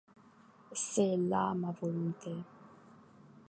C'est là ma volonté.